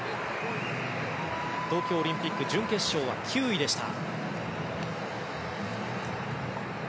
東京オリンピック準決勝は９位でした。